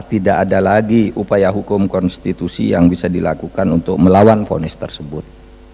tidak ada lagi upaya hukum konstitusi yang bisa dilakukan untuk melawan fonis tersebut